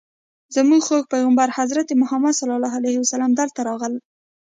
زموږ خوږ پیغمبر حضرت محمد صلی الله علیه وسلم دلته راغی.